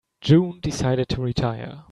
June decided to retire.